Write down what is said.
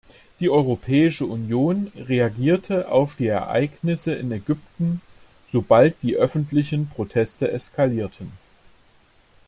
Die Europäische Union reagierte auf die Ereignisse in Ägypten, sobald die öffentlichen Proteste eskalierten.